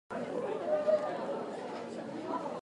I eat eggs.